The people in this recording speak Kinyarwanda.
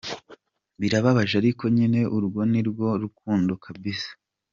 birababaje ariko nyine urwo nirwo rukundo kabisa.